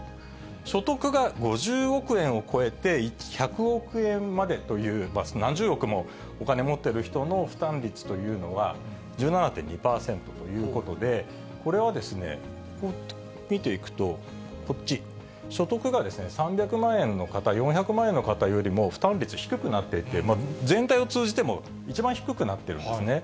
所得が５０億円を超えて、１００億円までという、何十億もお金持ってる人の負担率というのは、１７．２％ということで、これは見ていくと、こっち、所得が３００万円の方、４００万円の方よりも、負担率、低くなっていって、全体を通じても、一番低くなっているんですね。